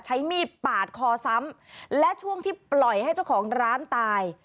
ใช้มีดปาดคอซ้ำและช่วงที่ปล่อยให้เจ้าของร้านตาย